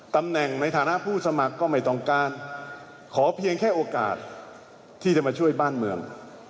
ในฐานะผู้สมัครก็ไม่ต้องการขอเพียงแค่โอกาสที่จะมาช่วยบ้านเมือง